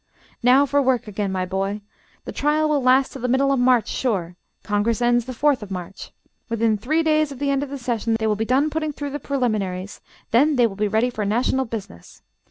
Now for work again my boy. The trial will last to the middle of March, sure; Congress ends the fourth of March. Within three days of the end of the session they will be done putting through the preliminaries then they will be ready for national business.